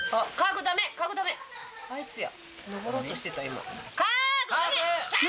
あいつや。